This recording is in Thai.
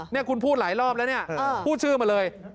นี่คุณพูดหลายรอบแล้วเนี่ยพูดชื่อมาเลย